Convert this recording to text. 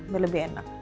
biar lebih enak